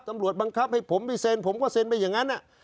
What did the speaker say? บังคับให้ผมไปเซ็นผมก็เซ็นไปอย่างนั้น